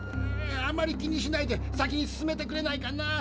あまり気にしないで先に進めてくれないかな。